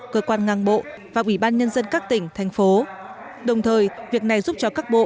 cơ quan ngang bộ và ủy ban nhân dân các tỉnh thành phố đồng thời việc này giúp cho các bộ